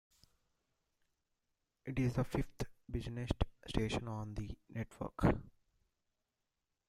It is the fifth busiest station on the network.